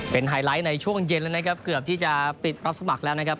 เป็นไฮไลท์ในช่วงเย็นแล้วนะครับเกือบที่จะปิดรับสมัครแล้วนะครับ